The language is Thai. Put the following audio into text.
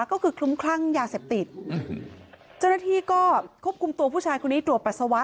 ก็คือคลุ้มคลั่งยาเสพติดเจ้าหน้าที่ก็ควบคุมตัวผู้ชายคนนี้ตรวจปัสสาวะ